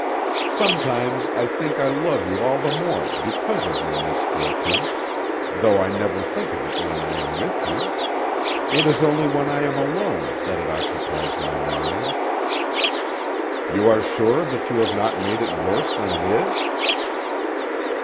Sometimes I think I love you all the more because of your misfortune, though I never think of it when I am with you; it is only when I am alone that it occupies my mind." "You are sure that you have not made it worse than it is?"